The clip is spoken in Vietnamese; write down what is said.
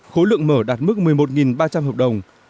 khối lượng mở đạt mức một mươi một ba trăm linh hợp đồng